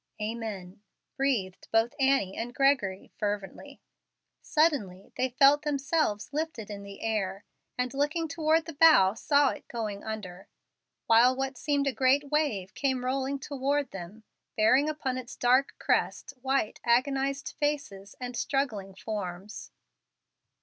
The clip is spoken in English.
"Amen!" breathed both Annie and Gregory, fervently. Suddenly they felt themselves lifted in the air, and, looking toward the bow, saw it going under, while what seemed a great wave came rolling toward them, bearing upon its dark crest white, agonized faces and struggling forms.